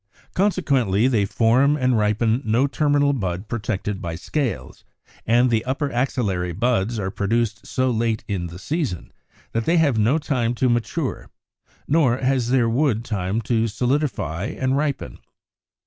Consequently they form and ripen no terminal bud protected by scales, and the upper axillary buds are produced so late in the season that they have no time to mature, nor has their wood time to solidify and ripen.